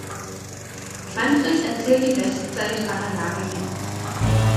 Manfred erzielt die Bestzeit aller Jahrgänge.